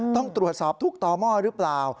ต้องตรวจสอบทุกต่อหม้อหรือเปล่า